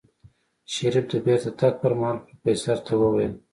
شريف د بېرته تګ پر مهال پروفيسر ته وويل.